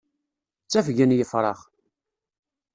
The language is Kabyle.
Ttafgen yefṛax.